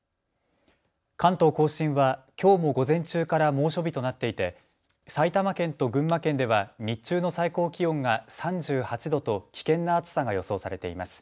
関東甲信はきょうも午前中から猛暑日となっていて埼玉県と群馬県では日中の最高気温が３８度と危険な暑さが予想されています。